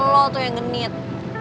lo tuh yang genit